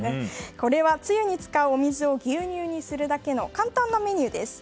これは、つゆに使うお水を牛乳にするだけの簡単なメニューです。